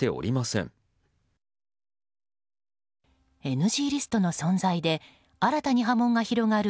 ＮＧリストの存在で新たに波紋が広がる